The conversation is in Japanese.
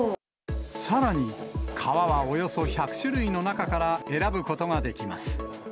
さらに革はおよそ１００種類の中から選ぶことができます。